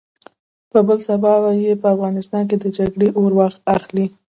په بل سبا يې په افغانستان کې جګړه اور اخلي.